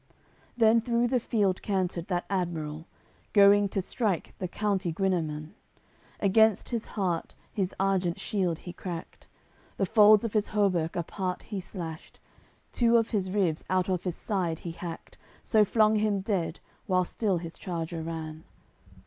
AOI. CCLI Then through the field cantered that admiral, Going to strike the county Guineman; Against his heart his argent shield he cracked, The folds of his hauberk apart he slashed, Two of his ribs out of his side he hacked, So flung him dead, while still his charger ran.